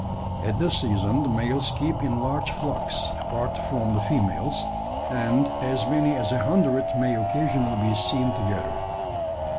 "`At this season the males keep in large flocks, apart from the females; and as many as a hundred may occasionally be seen together.